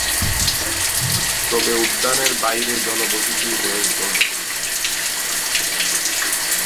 তবে উদ্যানের বাইরে জনবসতি বেশ ঘন।